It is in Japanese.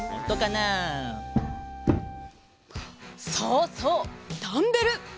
そうそうダンベル！